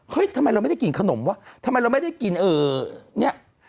ทำไมเราไม่ได้กลิ่นขนมวะทำไมเราไม่ได้กินเนี่ย